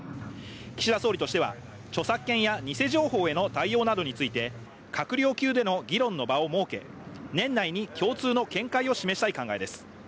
岸田総理としては、著作権や偽情報への対応などについて、閣僚級での議論の場を設け、年内に共通の見解を示したい考えです。